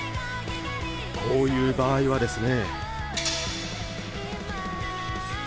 こういう場合はですね。